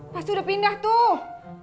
pas udah pindah tuh